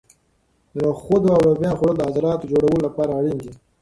د نخودو او لوبیا خوړل د عضلاتو د جوړولو لپاره اړین دي.